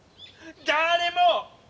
誰も！